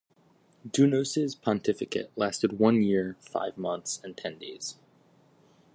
Donus' pontificate lasted one year, five months, and ten days.